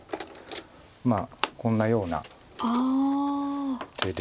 まあこんなような手で。